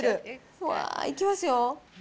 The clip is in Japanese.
うわー、いきますよ。